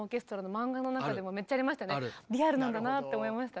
リアルなんだなって思いました。